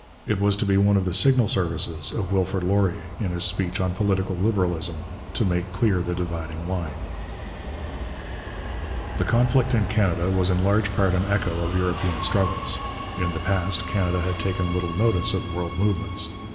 It was to be one of the signal services of Wilfrid Laurier, in his speech on Political Liberalism, to make clear the dividing line. The conflict in Canada was in large part an echo of European struggles. In the past Canada had taken little notice of world movements.